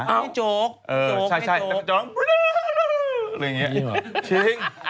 ลองอย่างนี้